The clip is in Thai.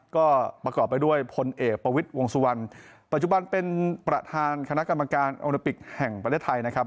ก็ประกอบไปด้วยพลเอกประวิทย์วงสุวรรณปัจจุบันเป็นประธานคณะกรรมการโอลิมปิกแห่งประเทศไทยนะครับ